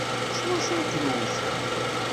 S wacu ay ken-wten?